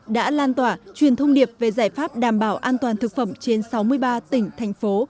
đã lan tỏa truyền thông điệp về giải pháp đảm bảo an toàn thực phẩm trên sáu mươi ba tỉnh thành phố